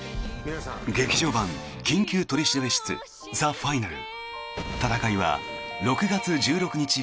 劇場版「緊急取調室ＴＨＥＦＩＮＡＬ」。